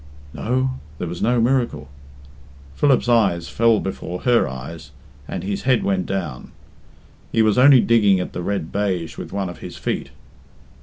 No, there was no miracle. Philip's eyes fell before her eyes, and his head went down. He was only digging at the red baize with one of his feet.